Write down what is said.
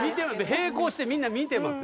並行してみんな見てますよ。